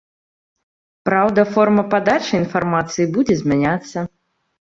Праўда, форма падачы інфармацыі будзе змяняцца.